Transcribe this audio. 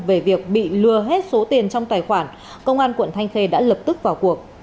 về việc bị lừa hết số tiền trong tài khoản công an quận thanh khê đã lập tức vào cuộc